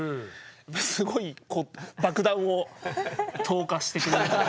すごい爆弾を投下してくれるので。